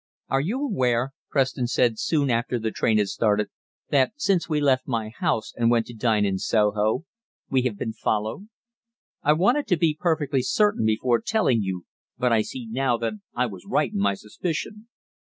"Are you aware," Preston said soon after the train had started, "that since we left my house and went to dine in Soho, we have been followed? I wanted to be perfectly certain before telling you, but I see now that I was right in my suspicion.